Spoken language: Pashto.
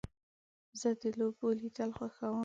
زه د لوبو لیدل خوښوم.